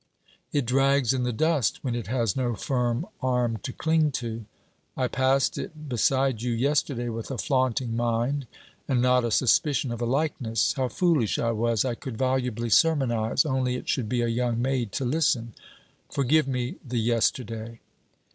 'It drags in the dust when it has no firm arm to cling to. I passed it beside you yesterday with a flaunting mind and not a suspicion of a likeness. How foolish I was! I could volubly sermonize; only it should be a young maid to listen. Forgive me the yesterday.'